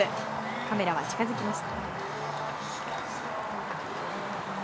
カメラが近づきました。